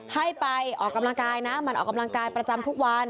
ให้ไปออกกำลังกายนะมันออกกำลังกายประจำทุกวัน